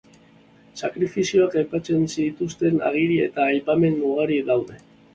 Sakrifizioak aipatzen dituzten agiri eta aipamen ugari daude.